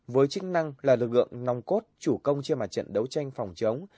với chức năng là lực lượng nòng cốt chủ công trên mặt trận đấu tranh phòng chống